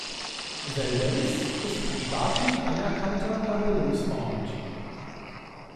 Veldenz ist ein staatlich anerkannter Erholungsort.